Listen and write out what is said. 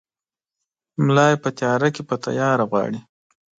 ملا ېې په تیاره کې پر تیاره غواړي!